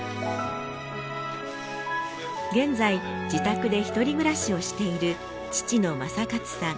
現在自宅で一人暮らしをしている父の正勝さん。